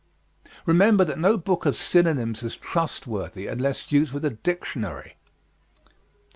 Remember that no book of synonyms is trustworthy unless used with a dictionary.